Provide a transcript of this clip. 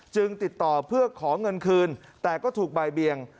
ติดต่อเพื่อขอเงินคืนแต่ก็ถูกบ่ายเบียง